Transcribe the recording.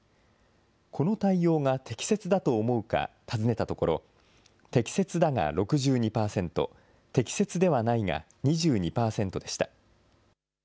この対応が適切だと思うか尋ねたところ、適切だが６２％、適切ではないが２２％でした。